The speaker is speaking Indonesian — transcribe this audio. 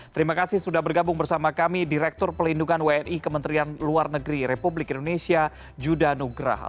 terima kasih sudah bergabung bersama kami direktur pelindungan wni kementerian luar negeri republik indonesia juda nugraha